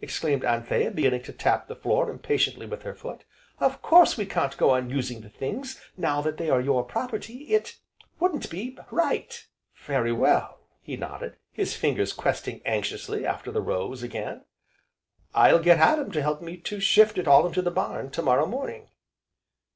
exclaimed Anthea, beginning to tap the floor impatiently with her foot. "Of course we can't go on using the things now that they are your property, it wouldn't be right." "Very well," he nodded, his fingers questing anxiously after the rose again, "I'll get Adam to help me to shift it all into the barn, to morrow morning."